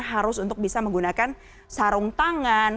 harus untuk bisa menggunakan sarung tangan